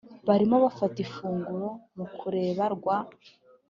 barimo bafata ifunguro mukureba rwa